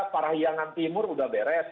parahiangan timur udah beres